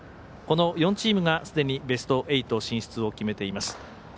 この４チームが、すでにベスト８進出を決めています。